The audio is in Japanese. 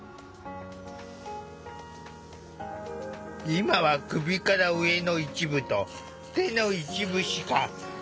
今は首から上の一部と手の一部しか動かせないため。